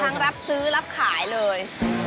รับซื้อรับขายเลย